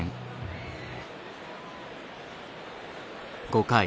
５回。